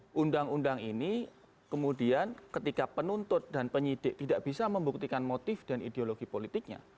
nah undang undang ini kemudian ketika penuntut dan penyidik tidak bisa membuktikan motif dan ideologi politiknya